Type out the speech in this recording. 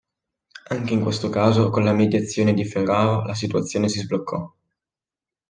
Anche in questo caso, con la mediazione di Ferraro la situazione si sbloccò.